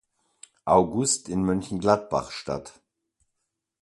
August in Mönchengladbach statt.